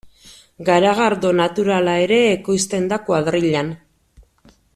Garagardo naturala ere ekoizten da kuadrillan.